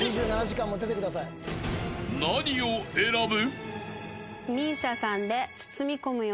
［何を選ぶ？］